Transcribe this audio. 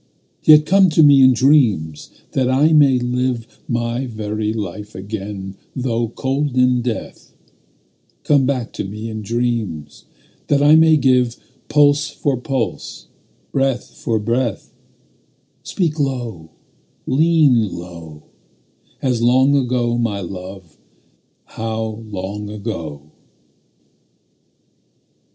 Yet come to me in dreams, that I may live My very life again though cold in death: Come back to me in dreams, that I may give Pulse for pulse, breath for breath: Speak low, lean low, As long ago, my love, how long ago!